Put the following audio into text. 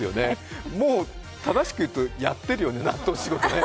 もう、正しく言うと、やってるよね、納豆仕事ね。